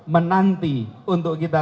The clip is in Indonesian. menanti untuk kita